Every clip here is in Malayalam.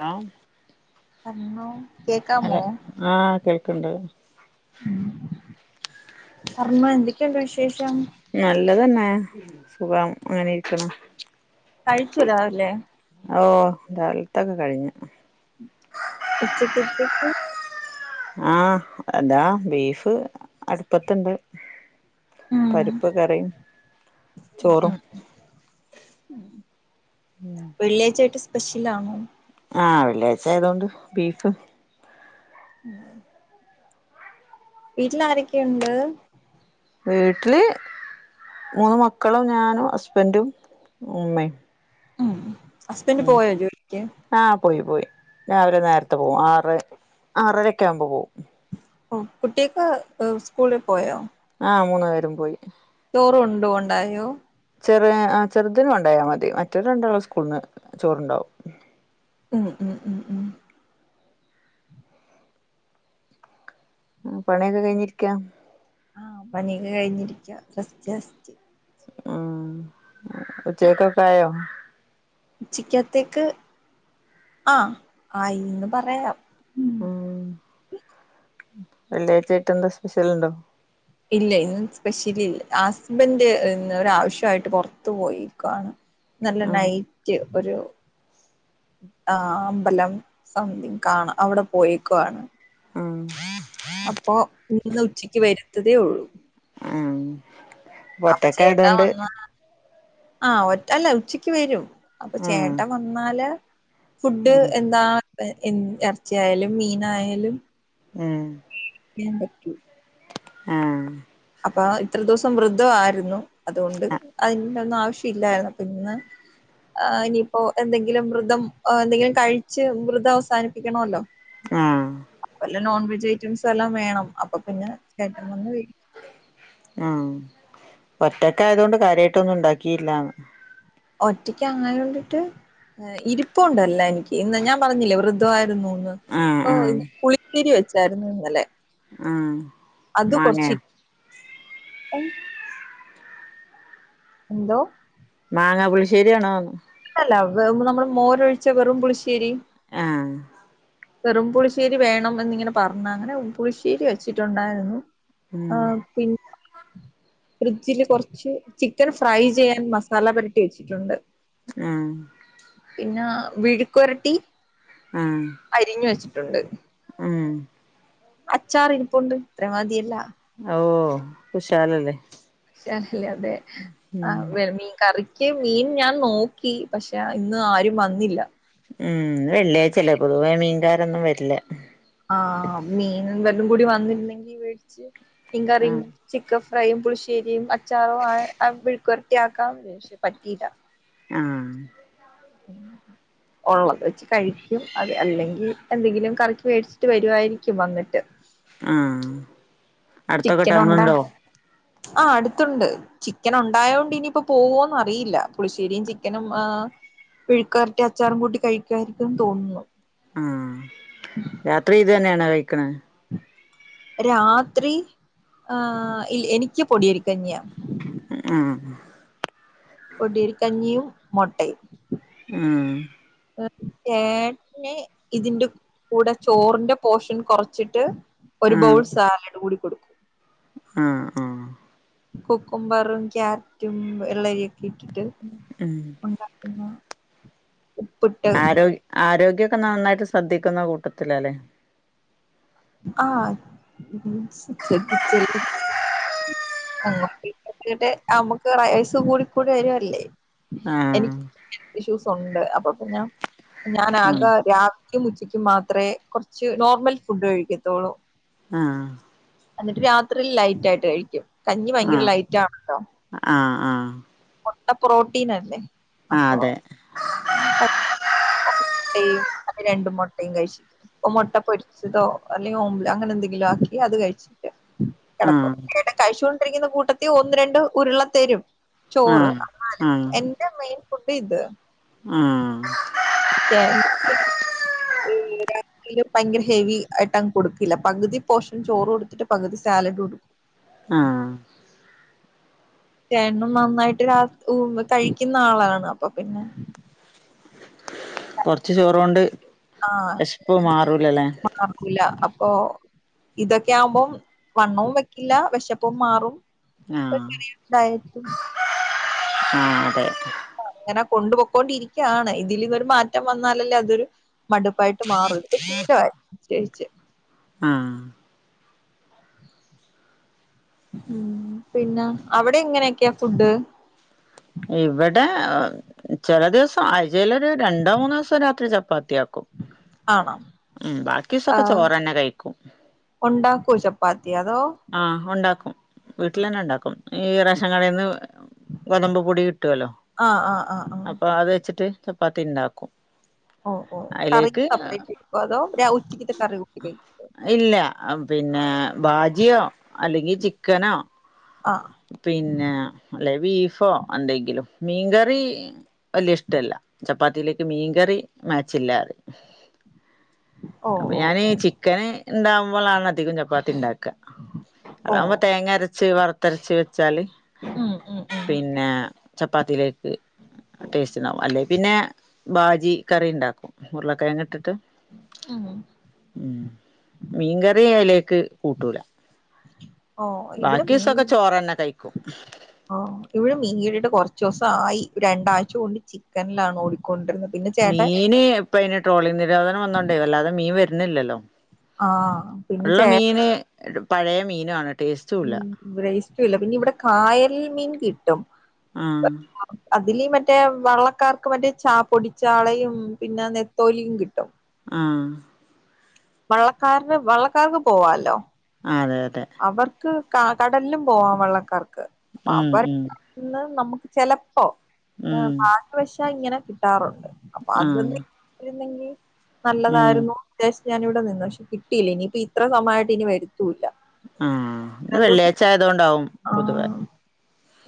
ഹലോ പറഞ്ഞോ ഹലൊ കേക്കാമോ ആ കേൾക്ക്ണ്ട് ഉം പറഞ്ഞോ എന്തൊക്കെയുണ്ട് വിശേഷം നല്ലത് തന്നെ സുഖം അങ്ങനെ ഇരിക്കണ് കഴിച്ചു രാവിലെ ഓ രാവിലത്തെ ഒക്കെ കഴിഞ്ഞു ഉച്ചക്കത്തേക്ക് ആ അതാ ബീഫ് അടുപ്പത്ത്ണ്ട് ഉം പരിപ്പ് കറിം ഉം ചോറും ഉം [unintelligible] വെള്ളിയാഴ്ച്ചായിട്ട് സ് സ്പെഷ്യലാണോ? ആ വെള്ളിയാഴ്ചായതൊണ്ട് ബീഫ് ഉം വീട്ടിലാരൊക്കെയുണ്ട്? വീട്ടില് മൂന്ന് മക്കളും ഞാനും ഹസ്ബൻഡും ഉമ്മേം ഉം ഹസ്ബൻഡ് പോയോ ജോലിക്ക്? ആ പോയി പോയി രാവിലെ നേരത്തെ പോവും ആറ് ആറരൊക്കെ ആവുമ്പോ പോവും. ഓ കുട്ടിയൊക്ക് സ്കൂളിൽ പോയോ? ആഹ് മൂന്ന് പേരും പോയി ചോറ് കൊണ്ട് പോണ്ടായോ? ചെറ് ആ ചെറുതിനു കൊണ്ടായാൽ മതി. മറ്റൊല് രണ്ടാളും സ്കൂളിന്ന് ചോറുണ്ടാവും. ഉം ഉം ഉം ഉം ആ പണിയൊക്കെ കഴിഞ്ഞിരിക്കാ? ആഹ് പണിയൊക്കെ കഴിഞ്ഞിരിക്കാ റസ്റ്റ് റസ്റ്റ്. ആഹ് ഉച്ചക്കൊക്കെ ആയോ? ഉച്ചിക്കത്തേക്ക് ആഹ് ആയിന്ന് പറയാം. ഉം വെള്ളിയാഴ്ചായിട്ട് എന്താ സ്പെഷ്യലുണ്ടോ? ഇല്ല ഇന്ന് സ്പെഷ്യലില്ല ആ ഹസ്ബൻഡ് ഇന്ന് ഒരാവശ്യായിട്ട് പുറത്തു പോയേക്കുവാണ്. ഇന്നലെ ഉം നൈറ്റ് ഒരു ആഹ് അമ്പലം സംതിങ്ങ് കാണാൻ അവിടെ പോയെക്കുവാണ്. ആഹ് അപ്പോ ഇന്ന് ഉച്ചയ്ക്ക് വരുത്തതേയുള്ളൂ. ആഹ് ചേട്ടാ ഒറ്റക്കായതോണ്ട് വന്നാ ആഹ് ഒറ്റ അല്ല ഉച്ചക്ക് വരും അപ്പൊ ഉം ചേട്ടൻ വന്നാല് ഫുഡ് ഉം എന്താ എറച്ചിയായാലും മീനായാലും ഉം [unintelligible] പറ്റൂ ആഹ് അപ്പൊ ഇത്ര ദിവസം വൃധ ആയിരുന്നു അതുകൊണ്ട് അതിന്റെ ഒന്നും ആവശ്യ ഇല്ലായിരുന്ന് ഇപ്പിന്ന് ആഹ് ഇനിയിപ്പോ എന്തെങ്കിലും വൃധം എന്തെങ്കിലും കഴിച്ച് വൃധം അവസാനിപ്പിക്കണവല്ലോ. ആഹ് നോൺ വെജ് ഐറ്റംസ് എല്ലാം വേണം അപ്പൊ പിന്നെ ഏട്ടൻ വന്ന് ആഹ് ഒറ്റക്കായതൊണ്ട് കാര്യായിട്ടൊന്നും ഉണ്ടാക്കിയില്ലാന്ന്. ഒറ്റക്ക് അങ്ങനൊണ്ടിട്ട് ഇരിപ്പൊണ്ടല്ല എനിക്ക് ഇന്ന് ഞാൻ പറഞ്ഞില്ലേ വൃധമായിരുന്നുന്ന്. ആഹ് ആഹ് [unintelligible] പുളിശ്ശേരി വെച്ചായിരുന്നു ഇന്നലെ ആഹ് അത് കൊറച്ച് മാങ്ങയോ എന്തോ? മാങ്ങാ പുളിശ്ശേരിയാണോന്ന്? അല്ല വെ നമ്മള് മോരൊഴിച്ച വെറും പുളിശ്ശേരി. ഏഹ് വെറും പുളിശ്ശേരി വേണം എന്നിങ്ങനെ പറഞ്ഞങ്ങനെ പുളിശ്ശേരി വെച്ചിട്ടൊണ്ടായിരുന്നു ആഹ് പിൻ ആ ഫ്രിഡ്ജില് കൊറച്ച് ചിക്കൻ ഫ്രൈ ചെയ്യാൻ മസാല പെരട്ടി വെച്ചിട്ടൊണ്ട് ആഹ് പിന്നാ വിഴുക്ക്വരട്ടി ആഹ് അരിഞ്ഞു വെച്ചിട്ടുണ്ട് ഉം അച്ചാറിരിപ്പൊണ്ട് ഇത്രേം മതിയല്ലാ ഓഹ് കുശാലല്ലേ കുശാലല്ലേ അതെ ഉം ആഹ് വേ മീൻ കറി ക്ക് മീൻ ഞാൻ നോക്കി പക്ഷെ ഇന്ന് ആരും വന്നില്ല ഉം ഇന്ന് വെള്ളിയാഴ്ച്ചല്ലെ പൊതുവെ മീൻകാരൊന്നും വെര്ല്ല ആഹ് മീനും വെല്ലും കൂടി വന്ന്ര്ന്നെങ്കി വേടിച്ച് മീൻകറിം ആഹ് ചിക്കൻ ഫ്രൈയും പുളിശ്ശേരിം അച്ചാറും അയെ അം മെഴ്ക്കോര്ട്ടി ആക്കാം പക്ഷെ പറ്റീല ആഹ് ഒള്ളത് വെച്ച് കഴിക്കും അത് അല്ലെങ്കി എന്തെങ്കിലും കറിക്ക് മേട്ച്ചിട്ട് വെര്വാര്ക്കും വന്ന്ട്ട് ആഹ് അടുത്തൊക്കെ ചിക്കനൊണ്ട് ടൗണുണ്ടോ ആഹ് അട്ത്തുണ്ട് ചിക്കനൊണ്ടായോണ്ട് ഇനിയിപ്പോ പോവോന്ന് അറിയില്ല പുള്ശേരിം ചിക്കനും ആഹ് വിഴുക്ക്വെര്ട്ടി അച്ചാറും കൂട്ടി കഴിക്ക്വാരിക്കുംന്ന് തോന്നുന്നു ആഹ് രാത്രി ഇത് തന്നെയാണോ കഴിക്കണെ രാത്രി ഏഹ് ഇ എനിക്ക് പൊടിയരിക്കഞ്ഞിയാ ഉം ആഹ് പൊടിയരികഞ്ഞിയും മൊട്ടയും ഉം ഏട്ട്ന് ഇതിന്റെ കൂടെ ചോറിന്റെ പോഷൻ കൊർച്ച്ട്ട് ഒരു ആഹ് ബൗൾ സാലഡ് കൂടി കൊട് ആഹ് അഹ് കുക്കുമ്പറും ക്യാരറ്റും എള്ളരിയൊക്കെട്ടിട്ട് ഉം ഒണ്ടാക്കുന്നോ ആരോഗ് ആരോഗ്യക്കെ ന്നന്നായ്ട്ട് ശ്രദ്ധിക്കുന്ന കൂട്ടത്തിലാല്ലേ ആഹ് മീൻസ് ശ്രദ്ധിച്ചില്ലേ അങ്ങോട്ടിക്കക്കായ്ട്ട് അമുക്ക് വയസ്സു കൂടിക്കൂടി വരുവല്ലേ എനി ആഹ് എനിക്ക് ഇഷ്യൂസൊണ്ട് അപ്പൊ പിന്ന ആഹ് ഞാനാകെ രാ ക്കും ഉച്ചയ്ക്കും മാത്രേ കൊർച്ച് നോർമൽ ഫുഡ് കഴിക്കത്തൊള്ളൂ ആഹ് എന്നിട്ട് രാത്രി ലൈറ്റായിട്ട് കഴിക്കും കഞ്ഞി ഭയങ്കര ലൈറ്റാണല്ലോ അഹ് ആഹ് ആഹ് മൊട്ട പ്രോട്ടീനല്ലേ ആഹ് അതെ ആഹ് [unintelligible] അപ്പൊ രണ്ട് മൊട്ടയും കഴിച്ച് ഓഹ് മൊട്ട പൊര്ച്ചതോ അല്ലെങ്കി ഓമ്പ്ൾ അങ്ങനെ എന്തെങ്കിലും ആക്കി അത് കഴിച്ചിട്ട് കെട‌ക്കും ആഹ് ഏട്ടൻ കഴിച്ചോണ്ടിരിക്ക്ന്ന കൂട്ടത്തി ഒന്ന് രണ്ട് ഉരുള തരും ചോറ് ആഹ് എന്നാലും എന്റെ മെയിൻ ഫുഡ് ഇത് ഉം [unintelligible] [unintelligible] ഭയങ്കര ഹെവി ആയിട്ടങ് കൊടുക്കില്ല പകുതി പോഷൻ ചോറ് കൊടുത്തിട്ട് പകുതി സാലഡ് കൊടുക്കും ആഹ് ചേട്ട്നും നന്നായിട്ട് രാ ഉം കഴിക്കുന്ന ആളാണ് അപ്പൊ പിന്നെ കൊർച്ച് ചോറോണ്ട് ആഹ് വെഷ്പ്പ് മാറൂല്ലല്ലേ മാറൂല അപ്പൊ ഇതൊക്കെ ആകുമ്പോം വണ്ണവും വെക്കില്ല വിശപ്പും മാറും ആഹ് പ്പങ്ങനെ ഡയറ്റും ആഹ് അതെ അങ്ങനെ കൊണ്ടുപൊക്കോണ്ട് ഇര്ക്കാണ് ഇതിൽ നിന്നൊരു മാറ്റം വന്നാലല്ലേ അതൊരു മടുപ്പായ്ട്ട് മാറു ഇപ്പൊ ശീലവായ് [unintelligible] ആഹ് ഉം പിന്നെ അവടെ എങ്ങനെയൊക്കെയ ഫുഡ് ഇവടെ ചെല ദിവ്സം ആഴ്ചയ്ലൊര് രണ്ടോ മൂന്നോ ദിവസം രാത്രി ചപ്പാത്തിയാക് ക്കും ആണോ ഉം ബാക്കിസൊക്കെ ചോറെന്നെ കഴിക്കും ഒണ്ടാക്കോ ചപ്പാത്തി അതോ ആഹ് ഒണ്ടാക്കും വീട്ടില് തന്നെ ഉണ്ടാക്കും ഈ റേഷൻ കടയിൽ നിന്ന് ഗോതമ്പ് പൊടി കിട്ടുവല്ലോ ആഹ് ആഹ് ആഹ് ആഹ് അപ്പൊ അത് വെച്ചിട്ട് ചപ്പാത്തി ഉണ്ടാക്കും ഓഹ് ഓഹ് കറി അതിലേക്ക് സെപ്പറേറ്റ് വെക്കുവോ അതോ ഉച്ചക്കത്തെ കറി കൂട്ടി കഴിക്കുവോ ഇല്ല പിന്നെ ബാജിയോ അല്ലെങ്കിൽ ചിക്കനോ ആഹ് പിന്നെ അല്ലെ ബീഫോ എന്തെങ്കിലും മീൻകറി വലിയ ഇഷ്ടല്ല ചപ്പാത്തിയിലേക്ക് മീൻകറി മാച്ചില്ലാ ഓ അപ്പൊ ഓ ഞാന് ഓ ചിക്കന് ഇണ്ടാവുമ്പോളാണ് അധികം ചപ്പാത്തി ഉണ്ടാക് ക്ക. ഓ അതാവുമ്പോ തേങ്ങ അരച്ച് വറുത്തരച്ച് വെച്ചാല് ഉം ഉം ഉം പിന്നെ ചപ്പാത്തിയിലേക്ക് ടേസ്റ്റ് ഉണ്ടാവും അല്ലേ പിന്നെ ബാജി കറി ഉണ്ടാക്കും ഉരുളക്കിഴങ്ങ് ഇട്ടിട്ട് ഉം ഉം മീൻകറി അതിലേക്ക് കൂട്ടൂല ഓഹ് ഇവിടെ ബാക്കി മീൻ ദിവസൊക്കെ ചോറന്നെ കഴിക്കും ഇവിടെ മീൻ കിട്ടിട്ട് കുറച്ച് ദിവസം ആയി രണ്ടാഴ്ച കൊണ്ട് ചിക്കനിലാണ് ഓടിക് കൊണ്ടിര്ന്ന പിന്നെ ചേട്ടൻ മീന് ഇപ്പ അതിന് ട്രോളിംഗ് നിരോധനം വന്നോണ്ടേ വല്ലാതെ മീൻ വരുന്നില്ലല്ലോ ആഹ് പിന്നെ ഉള്ള ചേട്ടൻ മീന് പഴയ മീനുവാണ് ഉം ബ്രേസ്റ്റും ഇല്ല പിന്നെ ഇവിടെ കായൽ മീൻ കിട്ടും ആഹ് അതില് മറ്റേ വള്ളക്കാർക്ക് മറ്റേ ചാ പൊടിച്ചാളയും പിന്നെ നെത്തോലിയും കിട്ടും ആഹ് വള്ളക്കാരടെ വള്ളക്കാർക്ക് പോവാലോ ആഹ് അതെ അതെ അവർക്ക് കടലിലും പോവാം വള്ളക്കാർക്ക് ഉം അവർ ഉം ഇന്ന് നമുക്ക് ചെലപ്പോ ഉം ഭാഗ്യവശ ഇങ്ങനെ കിട്ടാറുണ്ട് അപ്പൊ ആഹ് അതൊന്ന് കിട്ടിരുന്നെങ്കി ഉം നല്ലതായിരുന്നു അത്യാവശ്യ ഞാനിവിടെ നിന്നു പക്ഷേ കിട്ടയില്ല. ഇനിയിപ്പം ഇത്ര സമയമായിട്ട് ഇനി വരത്തൂല്ല. ആ ഇന്ന് വെള്ളിയാഴ്ച ആയതുകൊണ്ടാവും പൊതുവെ. ആഹ്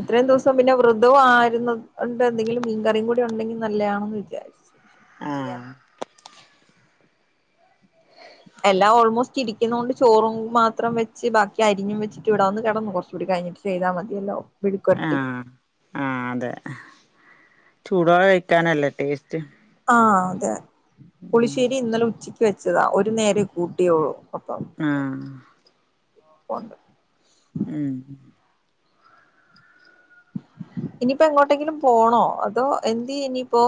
ഇത്രയും ദിവസം പിന്നെ വൃധവും ആയിരുന്നത് കൊണ്ട് എന്തെങ്കിലും മീൻ കറിയും കൂടി ഉണ്ടെങ്കിൽ നല്ലയാണെന്ന് വിചാരിച്ചു. എന്തെയ്യാനാ ആഹ് എല്ലാം ഓൾമോസ്റ്റ് ഇരിക്കുന്നത് കൊണ്ട് ചോറും മാത്രം വെച്ച് ബാക്കി അരിഞ്ഞും വെച്ചിട്ട് ഇവിടെ വന്ന് കിടന്നു കുറച്ച് കൂടി കഴിഞ്ഞ്. ചെയ്താൽ മതിയല്ലോ ആ മെഴുക്കുവരട്ടി ആ അതെ ചൂടോടെ കഴിക്കാനല്ലേ ടേസ്റ്റ്. ആ അതെ പുളിശ്ശേരി ഇന്നലെ ഉച്ചക്ക് വെച്ചതാ ഒരു നേരേ കൂട്ടിയുള്ളൂ. അപ്പം ആ [unintelligible] ഉം ഇനിയിപ്പോ എങ്ങോട്ടെങ്കിലും പോണോ അതോ എന്ത് ചെയ്യും ഇനിയിപ്പോ?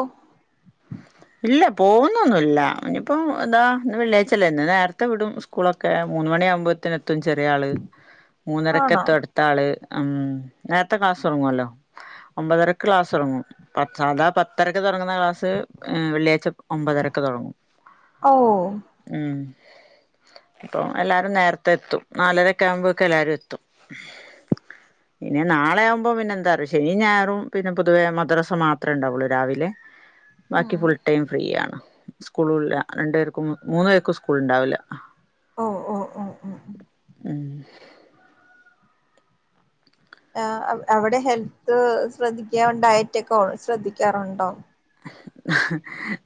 ഇല്ല പോകുന്നൊന്നുല്ല ഇനിയിപ്പോം എതാ ഇന്ന് വെള്ളിയാഴ്ചല്ലേ ഇന്ന് നേരത്തെ വിടും സ്കൂളൊക്കെ. മൂന്ന് മണിയാകുമ്പോ ത്തിനെത്തും ചെറിയ ആള് ആണോ മൂന്നരക്കെത്തും അടുത്ത മൂത്താള് ഉം നേരത്തെ ക്ലാസ് തുടങ്ങുവല്ലോ ഒമ്പതരക്ക് ക്ലാസ് തുടങ്ങും. പത്ത് സാധാ പത്തരക്ക് തുടങ്ങുന്ന ക്ലാസ്സ് വെള്ളിയാഴ്ച ഒമ്പതരക്ക് തുടങ്ങും. ഓ ഉം അപ്പൊ എല്ലാരും നേരത്തെ എത്തും നാലര ഒക്കെ ആകുമ്പോക്കെ എല്ലാരും എത്തും. ഇനി നാളെ ആകുമ്പോ പിന്നെ എന്താറിയോ ശനി ഞായറും പിന്നെ പൊതുവേ മദ്രസ മാത്രേ ഉണ്ടാവുള്ളൂ രാവിലെ. ബാക്കി ഫുൾ ടൈം ഫ്രീ ആണ് സ്കൂളും ഇല്ല രണ്ടു പേർക്കും മൂന്നു പേർക്കും സ്കൂൾ ഉണ്ടാവില്ല. ഓ ഓ ഓ ഓ ഉം ആ അവിടെ ഹെൽത്ത് ശ്രദ്ധിക്കാ ഡയറ്റ് ഒക്കെ ശ്രദ്ധിക്കാറുണ്ടോ?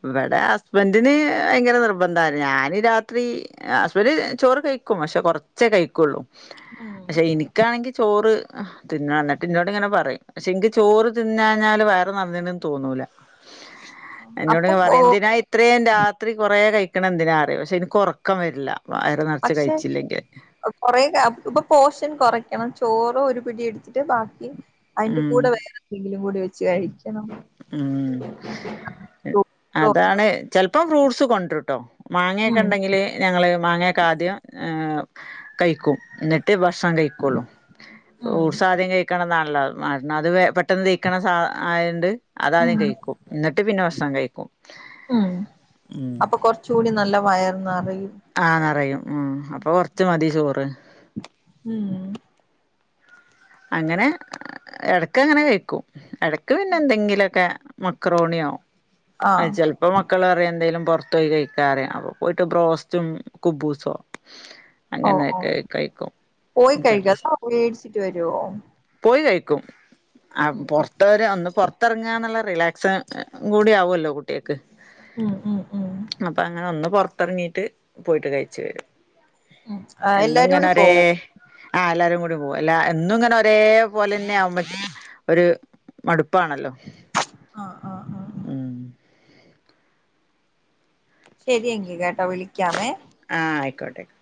ഇവിടെ ഹസ്ബൻ്റിന് ഭയങ്കര നിർബന്ധാണ്. ഞാന് രാത്രി ഹസ്ബൻഡും ചോറ് കഴിക്കും പക്ഷേ കൊറച്ചേ കഴിക്കുള്ളൂ ഉം പക്ഷേ എനി ഇക്ക് ആണെങ്കിൽ ചോറ് തിന്നണം എന്നിട്ട് എന്നോട് ഇങ്ങനെ പറയും. പക്ഷേ ഇന്ക്ക് ചോറ് തിന്നാഞ്ഞാല് വയറ് നിറഞ്ഞ്ണ് തോന്നൂല. എന്നോട് അപ്പം ഇങ്ങ് ഓ പറയും എന്തിനായി ഇത്രയും രാത്രി കുറേ കഴിക്കണ എന്തിനാ പറയും പക്ഷേ ഇന്ക്ക് ഉറക്കം വരില്ല. നിറച്ച് പക്ഷേ കഴിച്ചില്ലെങ്കിൽ കൊറേ ഇപ്പൊ പോഷൻ കൊറക്കണം ചോറ് ഒരു പിടി എടുത്തിട്ട് ബാക്കി അതിന്റെ ഉം കൂടെ വേറെ എന്തെങ്കിലും കൂടി വെച്ച് കഴിക്കണം. ഉം അതാണ് ചെലപ്പോം ഫ്രൂട്ട്സ് കൊണ്ടുരുംട്ടൊ. മാങ്ങയൊക്കെ ഉം ഉണ്ടെങ്കിൽ. ഞങ്ങൾ മാങ്ങയൊക്കെ ആദ്യം കഴിക്കും. എന്നിട്ട് ഭക്ഷണം കഴിക്കും. കെള്ളു ഉം ഫ്രൂട്സ് ആദ്യം കഴിക്കണംന്നാണല്ലോ [unintelligible] പെ പെട്ടെന്ന് ദയിക്ക്ണ സാധ ആയോണ്ട് അതാദ്യം ഉം കഴിക്കും എന്നിട്ട് പിന്നെ ഭക്ഷണം കഴിക്കും. ഉം ഉം അപ്പൊ കൊറച്ച് കൂടി നല്ല വയർ നെറയും. ആ നെറയും ഉം അപ്പൊ കൊറച്ച് മതി ചോറ്. ഉം. അങ്ങനെ എടക്ക് അങ്ങനെ കഴിക്കും എടക്ക് പിന്നെ എന്തെങ്കിലുക്കെ. മക്രോണിയോ അത് ആഹ് ചെലപ്പോ അപ്പോ മക്കള് പറയും എന്തെങ്കിലും പുറത്ത് പോയിട്ട് കഴിക്കാറയും അപ്പോൾ പോയിട്ട് ബ്രോസ്റ്റും കുബൂസോ. ഓ ഓ അങ്ങനെയൊക്കെ കഴിക്കും ചെലെ വേടിച്ചിട്ട് വരുവോ? പോയി കഴിക്കും ആ ഉം പുറതോര് അന്ന് പുറത്തരെ ന്ന് റങ്ങാ നെല്ല റിലാക്സൺ അന്നും കൂടി ആവല്ലോ കുട്ടിയെക്ക്. ഉം ഉം. ഉം അപ്പൊ അങ്ങനെ ഒന്ന് പുറത്തിറങ്ങിട്ട് പോയിട്ട് കഴിച്ചു വരും. ഉം എന്നും എല്ലാരും ഇങ്ങനെ കൂടി ഒരെ പോവും ആ എല്ലാരും കൂടി പോവും അല്ല എന്നും ഇങ്ങനെ ഒറ്റ ദേപോലെന്നെ ആവുമ്പോ ഒരു. മടുപ്പാണല്ലോ ആഹ്. ആഹ് ആഹ് ഉം. ശെരിയങ്കി കേട്ടോ വിളിക്കാമേ. ആഹ് ആയിക്കോട്ടെ. ആയി കോട്ട